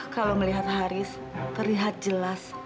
kalau melihat haris terlihat jelas